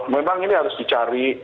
memang ini harus dicari